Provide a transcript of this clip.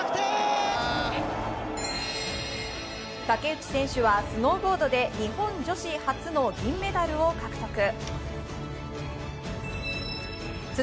竹内選手はスノーボードで日本女子初の銀メダルを獲得。